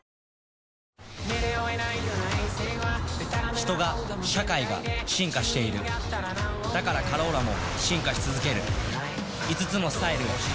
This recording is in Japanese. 人が社会が進化しているだから「カローラ」も進化し続ける５つのスタイルへ「カローラ」シリーズ